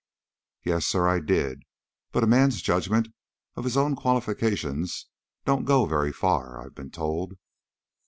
"Yes, sir, I did; but a man's judgment of his own qualifications don't go very far, I've been told."